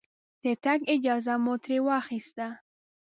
د تګ اجازه مو ترې واخسته.